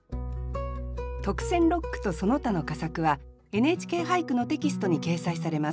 特選六句とその他の佳作は「ＮＨＫ俳句」のテキストに掲載されます。